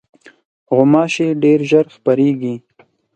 غوماشې ډېر ژر خپرېږي.